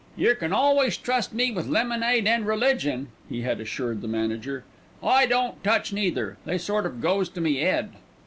"Yer can always trust me wi' lemonade and religion," he had assured the manager. "I don't touch neither; they sort of goes to me 'ead."